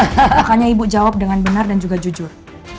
makanya ibu jawab dengan benar dan juga jujur